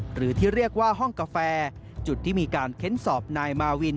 หรือที่เรียกว่าห้องกาแฟจุดที่มีการเค้นสอบนายมาวิน